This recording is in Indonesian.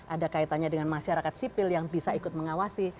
ada kaitannya dengan masyarakat sipil yang bisa ikut mengawasi